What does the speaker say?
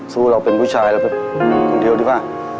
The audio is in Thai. สู้แล้วเป็นผู้ชายเป็นคนเดียวดีกว่า